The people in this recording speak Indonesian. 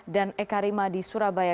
dan eka rima di surabaya